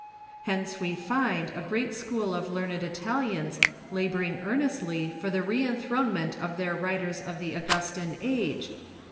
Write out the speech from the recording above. Hence we find a great school of learned Italians labor ing earnestly for the re enthi'onement of their writers of the Augustan age.